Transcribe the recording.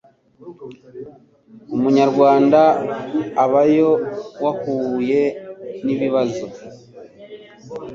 Umunyarwanda ubayo wahuye nibibazo